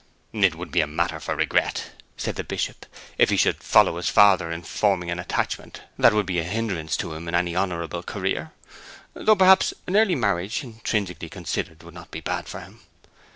'It would be a matter for regret,' said the Bishop, 'if he should follow his father in forming an attachment that would be a hindrance to him in any honourable career; though perhaps an early marriage, intrinsically considered, would not be bad for him.